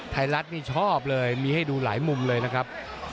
ไทยรัฐนี่ชอบเลยมีให้ดูหลายมุมเลยนะครับ